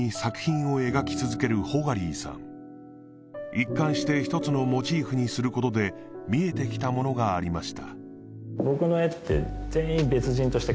一貫して１つのモチーフにすることで見えてきたものがありました